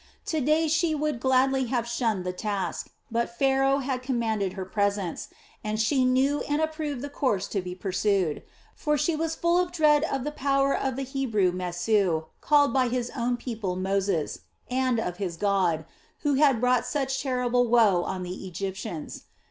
To day she would gladly have shunned the task, but Pharaoh had commanded her presence, and she knew and approved the course to be pursued; for she was full of dread of the power of the Hebrew Mesu, called by his own people Moses, and of his God, who had brought such terrible woe on the Egyptians.